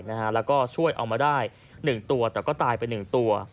แล้วก็ช่วยเอามาได้๑ตัวแต่ก็ตายไป๑ตัว